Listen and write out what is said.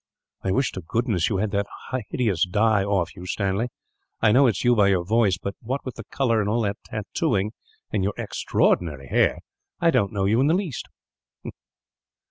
"I wish to goodness you had that hideous dye off you, Stanley. I know it is you by your voice but, what with the colour, and all that tattooing, and your extraordinary hair, I don't know you in the least."